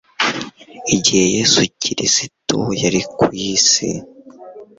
Igihe Yesu kirisito yari ku isi